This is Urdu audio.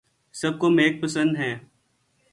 سب کو میک پسند ہیں